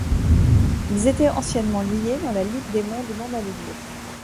Ils étaient anciennement liés dans la Ligue des mondes non alignés.